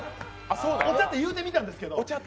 お茶って言うてみたんですけど。